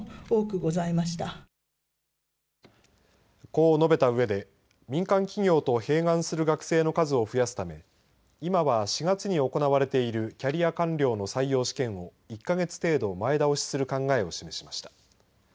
こう述べたうえで民間企業と併願する学生の数を増やすため今は４月に行われているキャリア官僚の採用試験を１か月程度前倒しする考えを示しました。